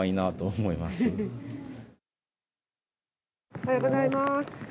おはようございます。